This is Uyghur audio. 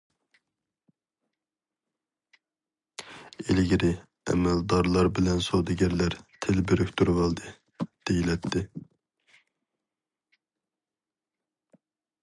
ئىلگىرى، ئەمەلدارلار بىلەن سودىگەرلەر تىل بىرىكتۈرۈۋالدى، دېيىلەتتى.